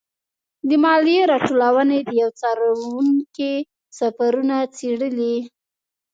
د مالیې راټولونې د یوه څارونکي سفرونه څېړلي.